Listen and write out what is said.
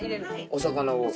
お魚を。